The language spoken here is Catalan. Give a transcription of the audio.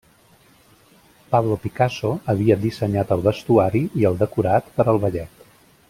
Pablo Picasso havia dissenyat el vestuari i el decorat per al ballet.